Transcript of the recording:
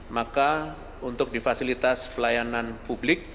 maka untuk di fasilitas pelayanan itu harus diberikan fasilitas kesehatan